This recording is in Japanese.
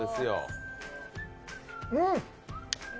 うん！